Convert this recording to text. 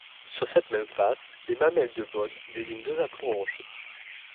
Sur cette même face, les Mamelles de Beaune désignent deux aplombs rocheux.